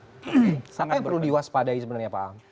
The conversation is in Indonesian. apa yang perlu diwaspadai sebenarnya pak